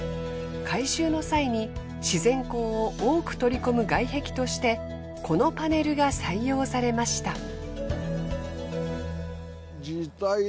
改修の際に自然光を多く取り込む外壁としてこのパネルが採用されました。